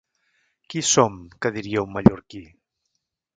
Qui som, que diria un mallorquí.